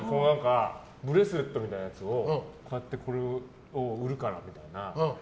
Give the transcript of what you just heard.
ブレスレットみたいなやつをこうやって売るからみたいな。